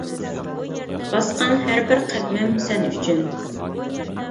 باسقان ھەر بىر قەدىمىم سەن ئۈچۈن.